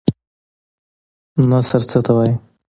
نثر څه ته وايي؟